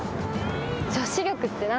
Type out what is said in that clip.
女子力って何だよ。